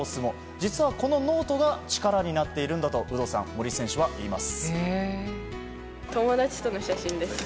実はこのノートが力になっているんだと森選手は言います。